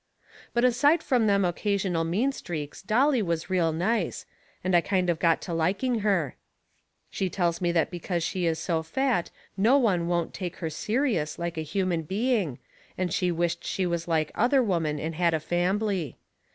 But aside from them occasional mean streaks Dolly was real nice, and I kind of got to liking her. She tells me that because she is so fat no one won't take her serious like a human being, and she wisht she was like other women and had a fambly.